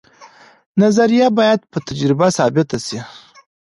نظریه باید په تجربه ثابته سي.